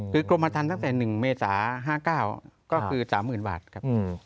คือกรมทันตั้งแต่๑เมษา๕๙ก็คือ๓๐๐๐บาทครับ